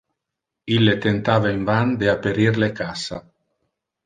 Ille tentava in van de aperir le cassa.